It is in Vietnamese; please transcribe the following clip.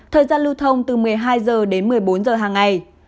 thời gian lưu thông từ một mươi hai h đến một mươi bốn h hàng ngày